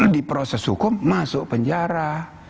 di proses hukum masuk penjara